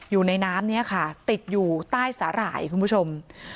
อยู่ในน้ำนี้ค่ะติดอยู่ใต้สาหร่ายคุณผู้ชม